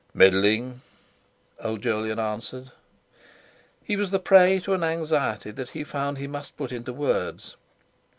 "Middling," old Jolyon answered. He was the prey of an anxiety that he found he must put into words.